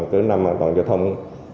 của năm an toàn giao thông